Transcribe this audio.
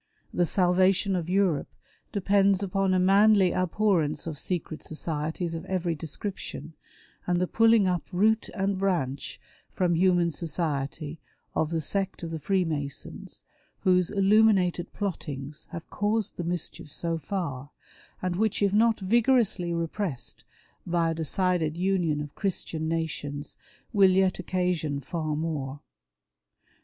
The salvation of Europe depends upon a manly abhorrence of secret societies of every description, and the pulling up root and branch from human society of the sect of the Freemasons whose " illuminated " plottings have caused the mischief so far, and which if not vigorously repressed by a decided union of Christian nations will yet occasion far more.